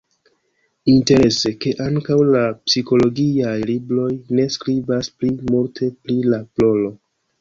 Interese, ke ankaŭ la psikologiaj libroj ne skribas pli multe pri la ploro.